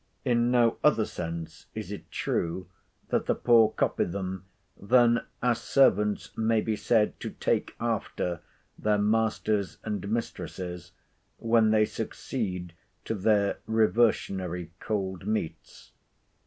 In no other sense is it true that the poor copy them, than as servants may be said to take after their masters and mistresses, when they succeed to their reversionary cold meats.